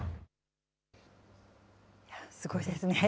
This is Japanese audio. すごいですね。